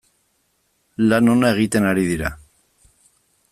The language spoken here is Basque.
Lan ona egiten ari dira.